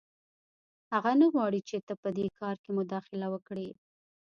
هغه نه غواړي چې ته په دې کار کې مداخله وکړې